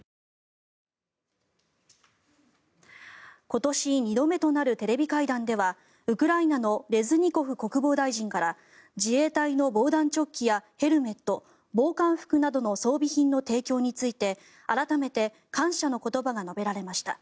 今年２度目となるテレビ会談ではウクライナのレズニコフ国防大臣から自衛隊の防弾チョッキやヘルメット、防寒服などの装備品の提供について、改めて感謝の言葉が述べられました。